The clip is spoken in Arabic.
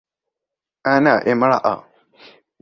أنا امرأةٌ.